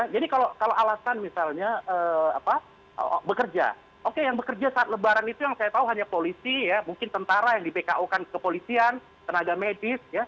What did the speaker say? jadi kalau alasan misalnya bekerja oke yang bekerja saat lebaran itu yang saya tahu hanya polisi mungkin tentara yang di bko kan kepolisian tenaga medis